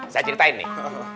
saya ceritain nih